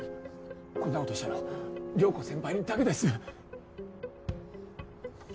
こんなことしたの涼子先輩にだけです。